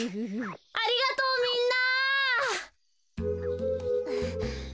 ありがとうみんな。